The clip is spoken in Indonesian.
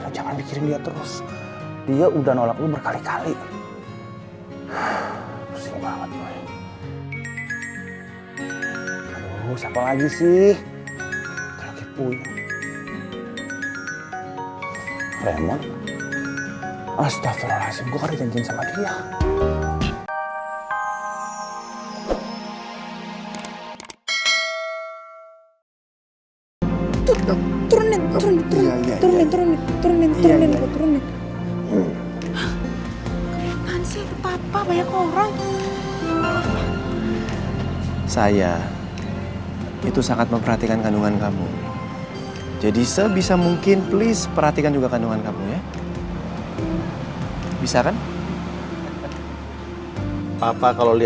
jangan lupa like share dan subscribe channel ini